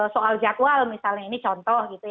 soal jadwal misalnya ini contoh